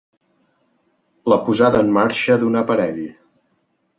La posada en marxa d'un aparell.